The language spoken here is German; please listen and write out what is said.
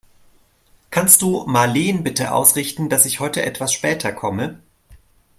Kannst du Marleen bitte ausrichten, dass ich heute etwas später komme?